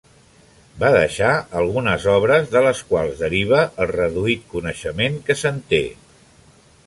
Va deixar algunes obres de les quals deriva el reduït coneixement que se'n té.